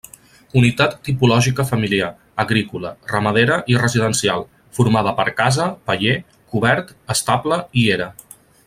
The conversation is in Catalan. Unitat tipològica familiar, agrícola, ramadera i residencial, formada per casa, paller, cobert, estable i era.